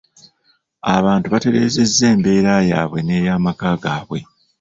Abantu batereezezza embeera yaabwe n'ey'amaka gaabwe.